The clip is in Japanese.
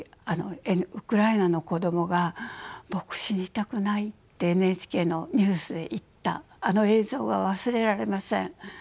ウクライナの子どもが「僕死にたくない」ってＮＨＫのニュースで言ったあの映像が忘れられません。